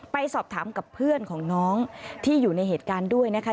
ไปสอบถามกับเพื่อนของน้องที่อยู่ในเหตุการณ์ด้วยนะคะ